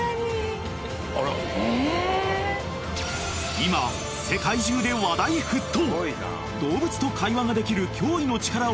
［今世界中で話題沸騰！］